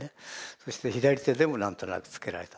そして左手でも何となくつけられた。